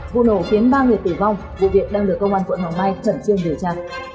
vụ nổ khiến ba người tử vong vụ việc đang được công an quận hoàng mai khẩn trương điều tra